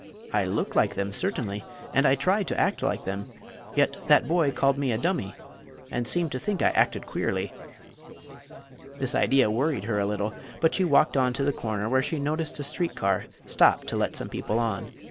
I look like them, certainly; and I try to act like them; yet that boy called me a dummy and seemed to think I acted queerly." This idea worried her a little, but she walked on to the corner, where she noticed a street car stop to let some people on.